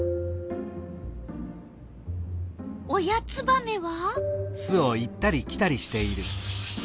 親ツバメは？